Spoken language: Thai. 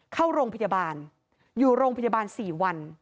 เข้าโรงพยาบาลอยู่โรงพยาบาล๔วัน